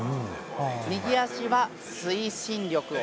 右足は推進力を。